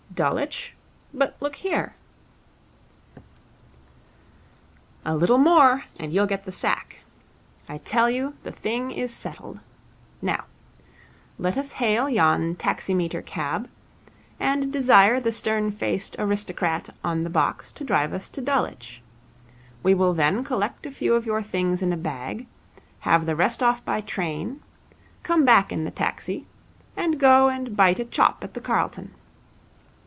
'Dulwich. But, look here ' 'A little more, and you'll get the sack. I tell you the thing is settled. Now, let us hail yon taximeter cab, and desire the stern faced aristocrat on the box to drive us to Dulwich. We will then collect a few of your things in a bag, have the rest off by train, come back in the taxi, and go and bite a chop at the Carlton.